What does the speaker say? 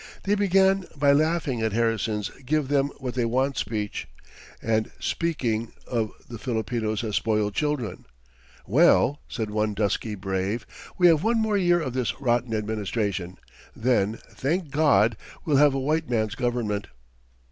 They began by laughing at Harrison's 'give them what they want' speech, and speaking of the Filipinos as 'spoiled children.' 'Well,' said one dusky brave, 'we have one more year of this rotten administration, then, thank Gawd, we'll have a white man's government!'"